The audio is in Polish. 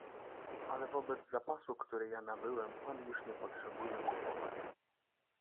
"Ale wobec zapasu, który ja nabyłem pan już nie potrzebuje kupować."